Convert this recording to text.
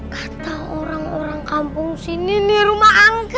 kata orang orang kampung sini nih rumah angka